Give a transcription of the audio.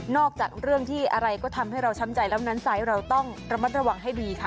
จากเรื่องที่อะไรก็ทำให้เราช้ำใจแล้วนั้นไซส์เราต้องระมัดระวังให้ดีค่ะ